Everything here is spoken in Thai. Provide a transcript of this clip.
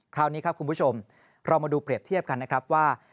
คราวนี้ครับคุณผู้ชมเรามาดูเปรียบเทียบกันนะครับว่า